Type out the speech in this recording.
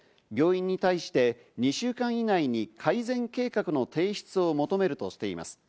病院に対して２週間以内に改善計画の提出を求めるとしています。